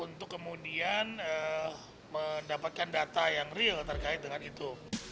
untuk kemudian mendapatkan data yang real terkait dengan itu